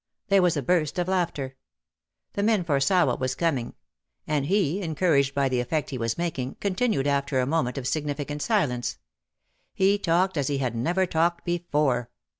There was a burst of laughter. The men foresaw what was com ing. And he, encouraged by the effect he was making, continued after a moment of significant silence. He talked as he had never talked before.